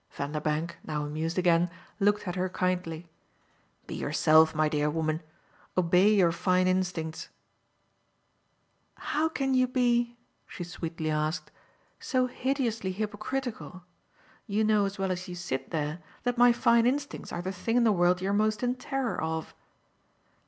Vanderbank, now amused again, looked at her kindly. "Be yourself, my dear woman. Obey your fine instincts." "How can you be," she sweetly asked, "so hideously hypocritical? You know as well as you sit there that my fine instincts are the thing in the world you're most in terror of.